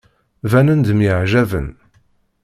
Banen-d myeɛjaben.